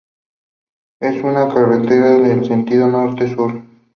Es una carretera de sentido norte-sur.